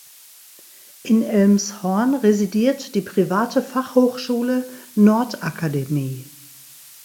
In Elmshorn residiert die private Fachhochschule „Nordakademie“.